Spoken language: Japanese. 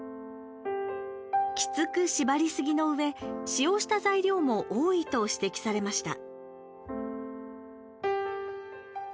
きつく縛りすぎのうえ使用した材料も多いと指摘されました。